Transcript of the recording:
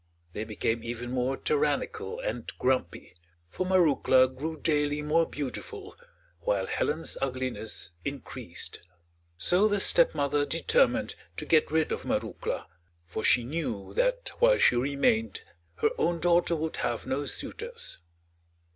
They became even more tyrannical and grumpy, for Marouckla grew daily more beautiful while Helen's ugliness increased. So the stepmother determined to get rid of Marouckla, for she knew that while she remained her own daughter would have no suitors.